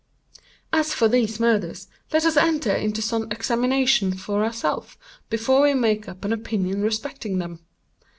"As for these murders, let us enter into some examinations for ourselves, before we make up an opinion respecting them.